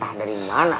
aku di mana